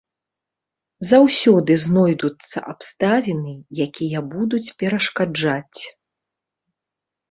Заўсёды знойдуцца абставіны, якія будуць перашкаджаць.